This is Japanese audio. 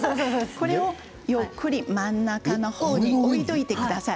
これをゆっくり真ん中の方に置いておいてください。